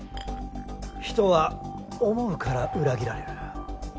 人は想うから裏切られる。